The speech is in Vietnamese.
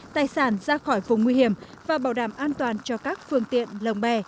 tài sản ra khỏi vùng nguy hiểm và bảo đảm an toàn cho các phương tiện lồng bè